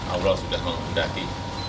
allah sudah mengundangi